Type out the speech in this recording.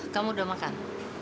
kamu udah makan